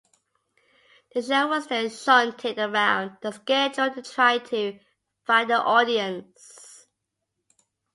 The show was then shunted around the schedule to try to find an audience.